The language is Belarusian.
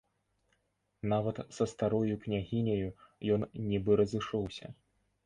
Нават са старою княгіняю ён нібы разышоўся.